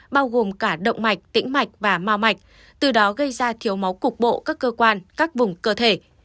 bao gồm cả động mạch tĩnh mạch và mau mạch từ đó gây ra thiếu máu cục bộ các cơ quan các vùng cơ thể